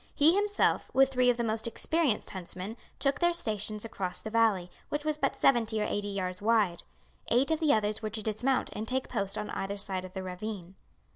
He himself, with three of the most experienced huntsmen, took their stations across the valley, which was but seventy or eighty yards wide. Eight of the others were to dismount and take post on either side of the ravine.